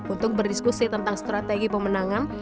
untuk berdiskusi tentang strategi pemenangan